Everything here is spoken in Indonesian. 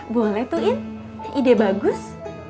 boleh tuh in ide bagus